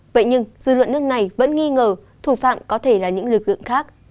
vậy nhưng dư luận nước này vẫn nghi ngờ thủ phạm có thể là những lực lượng khác